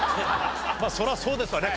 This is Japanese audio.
まあそりゃそうですわね。